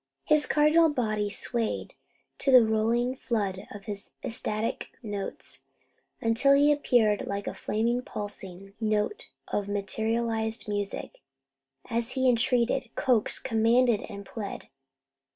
His cardinal body swayed to the rolling flood of his ecstatic tones, until he appeared like a flaming pulsing note of materialized music, as he entreated, coaxed, commanded, and pled.